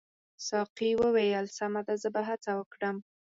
ساقي وویل سمه ده زه به هڅه وکړم.